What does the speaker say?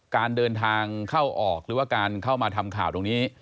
การเดินทางเข้าออกหรือว่าการเข้ามาทำข่าวตรงนี้